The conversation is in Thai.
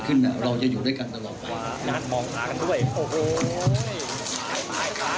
หวานไหมหวานไหม